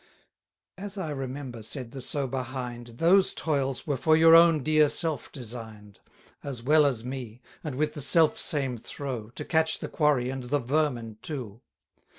As I remember, said the sober Hind, Those toils were for your own dear self design'd, As well as me, and with the self same throw, 20 To catch the quarry and the vermin too.